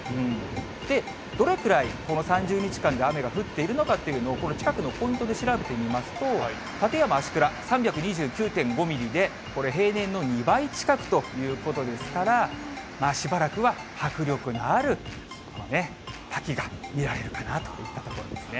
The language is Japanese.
どれくらいこの３０日間で雨が降っているのかっていうのをこの近くのポイントで調べてみますと、立山あしくら、３２９．５ミリで、これ、平年の２倍近くということですから、しばらくは迫力のある滝が見られるかなといったところですね。